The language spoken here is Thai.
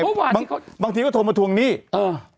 องค์กว่าบางทีก็โทรมาทุ่งนี่อ่า